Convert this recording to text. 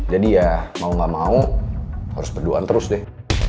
jadi ya mau gak mau harus berduaan terus deh